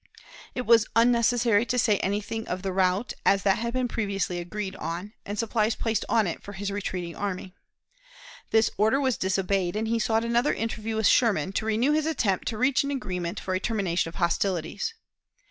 It was unnecessary to say anything of the route, as that had been previously agreed on, and supplies placed on it for his retreating army. This order was disobeyed, and he sought another interview with Sherman, to renew his attempt to reach an agreement for a termination of hostilities.